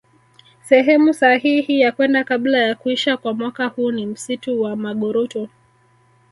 Sehemu sahihi ya kwenda kabla ya kuisha kwa mwaka huu ni msitu wa Magoroto